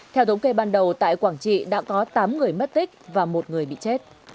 theo thống kê ban đầu tại quảng trị đã có tám người mất tích và một người bị chết